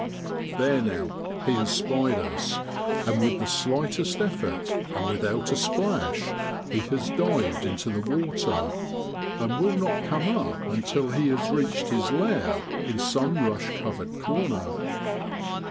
There now he has spied us, and with the slightest effort, and without a splash, he has dived into the water, and will not come up until he has reached his lair in some rush covered corner.